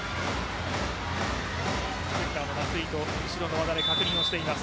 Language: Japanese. セッターの松井と後ろの渡邊が確認しています。